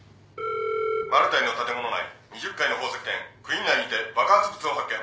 マル対の建物内２０階の宝石店Ｑｕｅｅｎ内にて爆発物を発見。